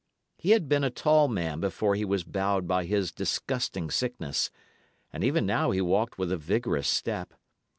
He had been a tall man before he was bowed by his disgusting sickness, and even now he walked with a vigorous step.